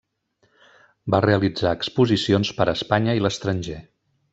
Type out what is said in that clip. Va realitzar exposicions per Espanya i l'estranger.